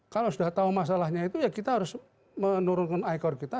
kalau sudah tahu masalahnya itu ya kita harus menurunkan ikor kita